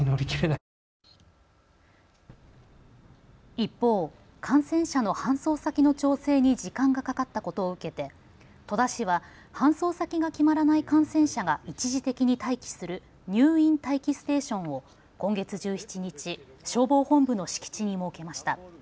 一方、感染者の搬送先の調整に時間がかかったことを受けて戸田市は搬送先が決まらない感染者が一時的に待機する入院待機ステーションを今月１７日、消防本部の敷地に設けました。